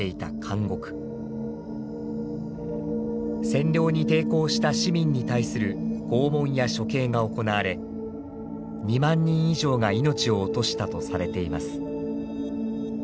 占領に抵抗した市民に対する拷問や処刑が行われ２万人以上が命を落としたとされています。